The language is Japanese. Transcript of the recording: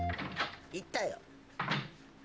いったよ。